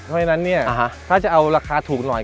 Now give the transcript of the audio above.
เพราะฉะนั้นเนี่ยถ้าจะเอาราคาถูกหน่อย